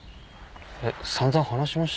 えっ散々話しました。